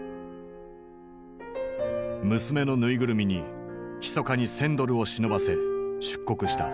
娘の縫いぐるみにひそかに１，０００ドルを忍ばせ出国した。